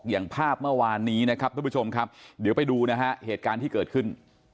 อย่างภาพเมื่อวานนี้นะครับทุกผู้ชมครับเดี๋ยวไปดูนะฮะเหตุการณ์ที่เกิดขึ้น